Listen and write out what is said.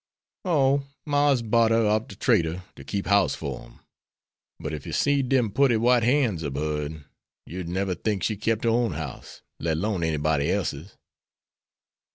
"Oh, Marse bought her ob de trader to keep house for him. But ef you seed dem putty white han's ob hern you'd never tink she kept her own house, let 'lone anybody else's."